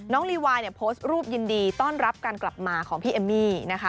ลีวายเนี่ยโพสต์รูปยินดีต้อนรับการกลับมาของพี่เอมมี่นะคะ